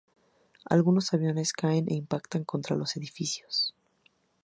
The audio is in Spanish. Algunos aviones caen e impactan contra los edificios.